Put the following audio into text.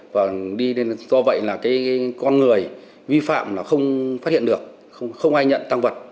và do vậy là con người vi phạm là không phát hiện được không ai nhận tăng vật